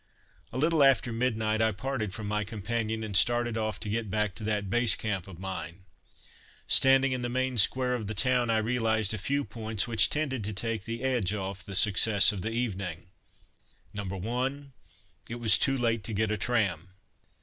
A little after midnight I parted from my companion and started off to get back to that Base Camp of mine. Standing in the main square of the town, I realized a few points which tended to take the edge off the success of the evening: No. 1. It was too late to get a tram.